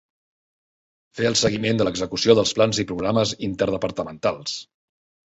Fer el seguiment de l'execució dels plans i programes interdepartamentals.